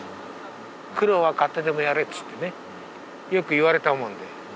苦労は買ってでもやれっつってねよく言われたもんで。